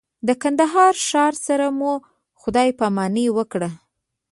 د کندهار ښار سره مو خدای پاماني وکړه.